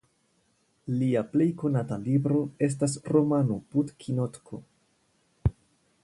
Lia plej konata libro estas romano "Putkinotko".